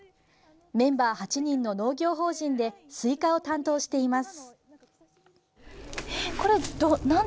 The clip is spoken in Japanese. メンバー８人の農業法人でスイカを担当しています。